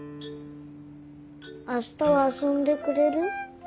あしたは遊んでくれる？